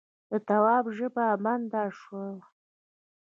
د تواب ژبه بنده شوه: